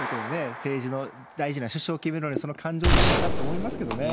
政治の大事な首相を決めるのにその感情でいいのかと思います